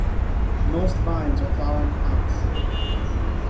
Most vines are flowering plants.